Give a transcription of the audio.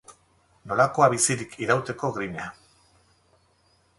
Nolakoa bizirik irauteko grina.